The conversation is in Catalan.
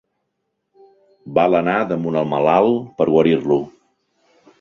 Va alenar damunt el malalt per guarir-lo.